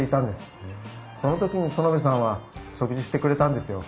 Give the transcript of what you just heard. その時に薗部さんは食事してくれたんですよ。